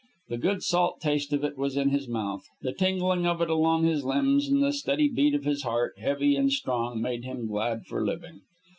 The good salt taste of it was in his mouth, the tingling of it along his limbs; and the steady beat of his heart, heavy and strong, made him glad for living.